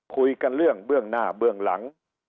คุยกันเรื่องเบื้องหน้าเบื้องหลัง